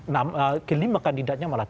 nah kelima kandidatnya malah